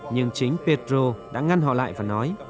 nhưng chính pedro đã ngăn họ lại và nói